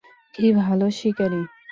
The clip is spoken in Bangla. কী ভালো শিকারী!